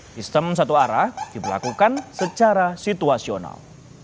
sistem satu arah diberlakukan secara situasional